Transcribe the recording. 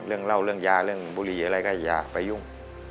เรื่องเล่าเรื่องยาเรื่องบุหรี่อะไรก็อย่าไปยุ่ง